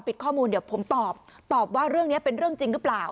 ข้อมูลเดี๋ยวผมตอบตอบว่าเรื่องนี้เป็นเรื่องจริงหรือเปล่า